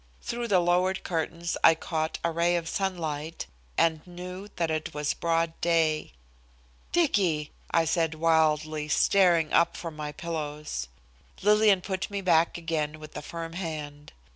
Through the lowered curtains I caught a ray of sunlight, and knew that it was broad day. "Dicky?" I asked wildly, staring up from my pillows. Lillian put me back again with a firm hand.